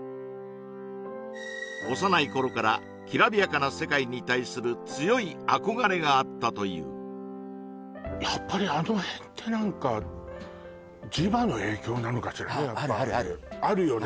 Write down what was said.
幼い頃から煌びやかな世界に対する強い憧れがあったというやっぱりあのへんって何か地場の影響なのかしらあるあるあるあるよね